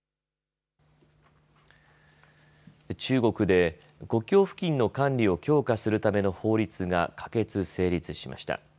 中国で国境付近の管理を強化するための法律が可決、成立しました。